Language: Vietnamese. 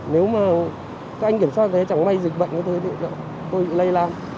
nếu mà các anh kiểm soát thấy chẳng có ai dịch bệnh thì tôi bị lây lan